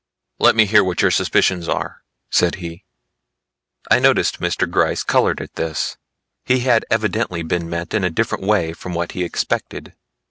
"Let me hear what your suspicions are," said he. I noticed Mr. Gryce colored at this; he had evidently been met in a different way from what he expected.